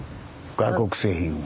外国製品を。